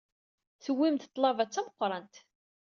Tuwyem-d ḍḍlaba d tameqrant.